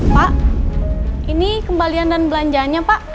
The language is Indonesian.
pak ini kembalian dan belanjanya pak